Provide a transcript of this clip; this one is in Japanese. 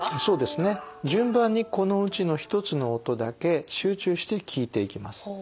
順番にこのうちの１つの音だけ集中して聴いていきます。